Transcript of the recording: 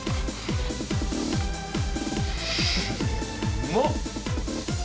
うまっ。